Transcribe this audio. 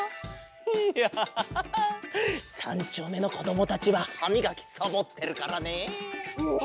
いや３ちょうめのこどもたちははみがきサボってるからね！ね！